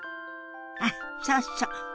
あっそうそう。